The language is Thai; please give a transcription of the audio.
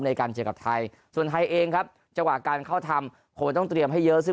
ในการเจอกับไทยส่วนไทยเองครับจังหวะการเข้าทำคงต้องเตรียมให้เยอะซึ่ง